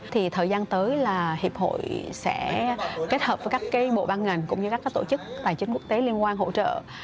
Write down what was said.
thì thời gian tới là hiệp hội sẽ kết hợp với các bộ ban ngành cũng như các tổ chức tài chính quốc tế liên quan hỗ trợ